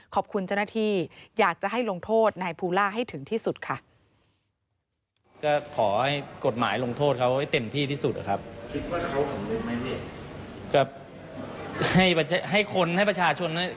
ขอบคุณเจ้าหน้าที่อยากจะให้ลงโทษนายภูล่าให้ถึงที่สุดค่ะ